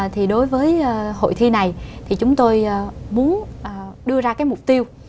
thì đối với hội thi này thì chúng tôi muốn đưa ra cái mục tiêu